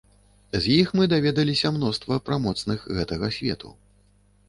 З іх мы даведаліся мноства пра моцных гэтага свету.